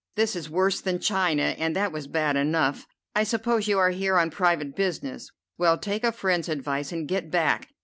This is worse than China, and that was bad enough. I suppose you are here on private business. Well, take a friend's advice and get back.